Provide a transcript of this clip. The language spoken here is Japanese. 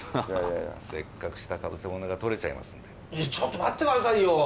せっかくしたかぶせものが取れちゃいますんでちょっと待ってくださいよ